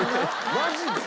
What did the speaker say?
マジで？